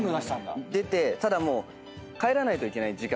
出てただもう帰らないといけない時間だったので。